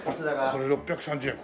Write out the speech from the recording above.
これ６３０円。